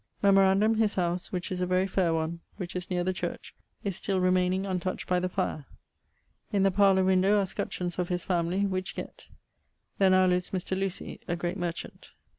Memorandum his house (which is a very faire one), which is neer the church, is still remayning untoucht by the fire. In the parlour windowe are scutchions of his family, which gett. There now lives Mr. Lucy, a great merchant.